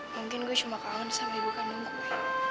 mungkin gue cuma kawan sama ibu kandung gue